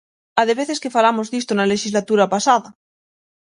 ¡A de veces que falamos disto na lexislatura pasada!